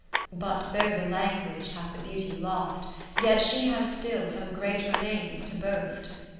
But though the Language hath the beauty lost. Yet she has still some great Remains to boast.